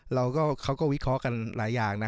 เขาก็เขาก็วิเคราะห์กันหลายอย่างนะ